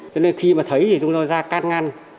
cho nên khi mà thấy thì chúng tôi ra cát ngăn